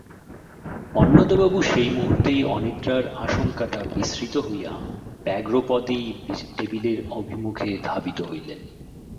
অন্নদাবাবু সেই মুহূর্তেই অনিদ্রার আশঙ্কাটা বিসমৃত হইয়া ব্যগ্রপদেই টেবিলের অভিমুখে ধাবিত হইলেন।